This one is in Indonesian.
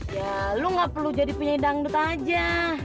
ya lu gak perlu jadi penyanyi dangdut aja